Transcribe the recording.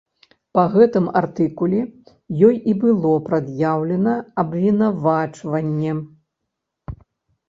Па гэтым артыкуле ёй і было прад'яўлена абвінавачванне.